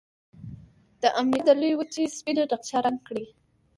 د امریکا د لویې وچې سپینه نقشه رنګ کړئ.